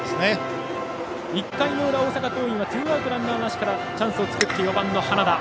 １回の裏、大阪桐蔭はツーアウト、ランナーなしからチャンスを作って４番、花田。